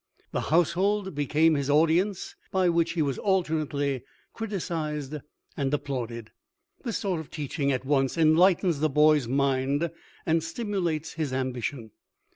The household became his audience, by which he was alternately criticized and applauded. This sort of teaching at once enlightens the boy's mind and stimulates his ambition.